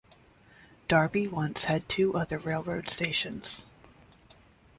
Darby once had two other railroad stations.